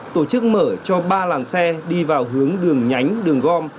tổ chức mở cho ba làn xe đi vào hướng đường nhánh đường gom